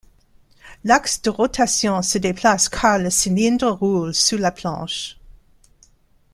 L'axe de rotation se déplace car le cylindre roule sous la planche.